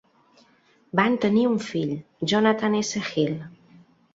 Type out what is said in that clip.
Van tenir un fill, Jonathan S Hill.